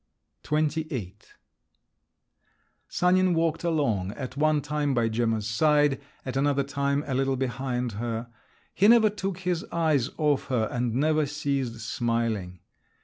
XXVIII Sanin walked along, at one time by Gemma's side, at another time a little behind her. He never took his eyes off her and never ceased smiling.